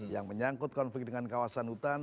yang menyangkut konflik dengan kawasan hutan